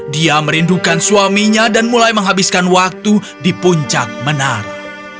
dia merindukan suaminya dan mulai menghabiskan waktu di puncak menara